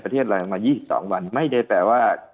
ประเทศเรามา๒๒วันมันไม่ได้แปลว่า